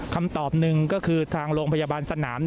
คำตอบหนึ่งก็คือทางโรงพยาบาลสนาม